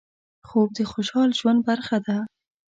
خوب د خوشحال ژوند برخه ده